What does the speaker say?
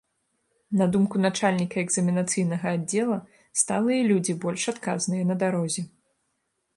На думку начальніка экзаменацыйнага аддзела, сталыя людзі больш адказныя на дарозе.